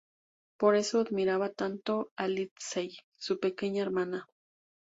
Por eso admiraba tanto a Lindsey, su pequeña hermana.